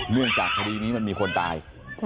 เนื่องจากคดีนี้มันมีคนตาย